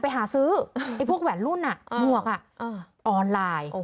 ไปหาซื้อไอ้พวกแหวนรุ่นหมวกออนไลน์